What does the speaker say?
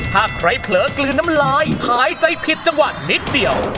ถ้าใครเผลอกลืนน้ำลายหายใจผิดจังหวะนิดเดียว